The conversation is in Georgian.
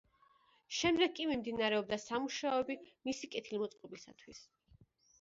შემდეგ კი მიმდინარეობდა სამუშაოები მისი კეთილმოწყობისათვის.